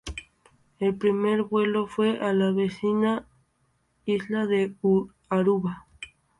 El primer vuelo fue a la vecina isla de Aruba.